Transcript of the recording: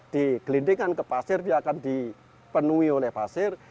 digelindingkan ke pasir dia akan dipenuhi oleh pasir